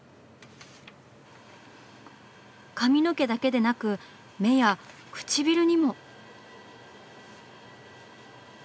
髪の毛だけでなく目や唇にも！